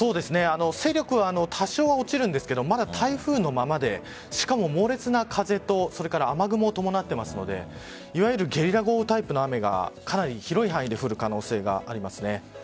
勢力は多少落ちるんですがまだ台風のままでしかも猛烈な風と雨雲を伴っていますのでいわゆるゲリラ豪雨タイプの雨がかなり広い範囲で降る可能性があります。